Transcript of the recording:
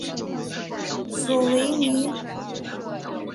索维尼。